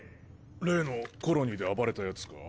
例のコロニーで暴れたヤツか？